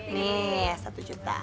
nih satu juta